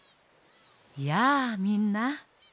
やあみんな。